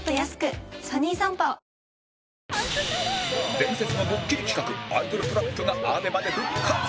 伝説のドッキリ企画アイドルトラップが ＡＢＥＭＡ で復活！